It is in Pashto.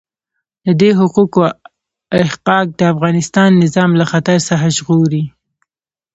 د دې حقوقو احقاق د افغانستان نظام له خطر څخه ژغوري.